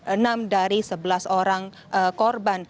enam dari sebelas orang korban